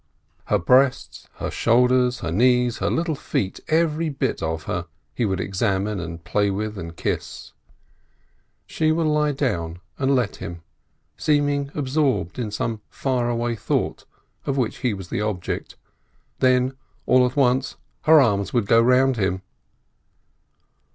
Her breasts, her shoulders, her knees, her little feet, every bit of her, he would examine and play with and kiss. She would lie and let him, seeming absorbed in some far away thought, of which he was the object, then all at once her arms would go round him.